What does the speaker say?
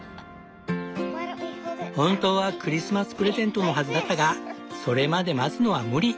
本当はクリスマスプレゼントのはずだったがそれまで待つのは無理。